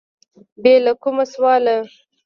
بې له کوم سواله